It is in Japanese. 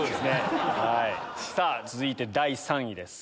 続いて第３位です。